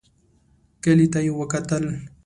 کلي ته يې وکتل.